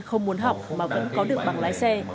học mà vẫn có được bằng lái xe